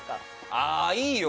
ああ、いいよ。